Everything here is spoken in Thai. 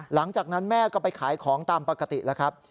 หลังจากนั้นแม่ก็ไปขายของตามปกติแล้วครับ